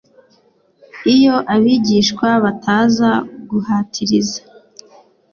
Iyo abigishwa bataza guhatiriza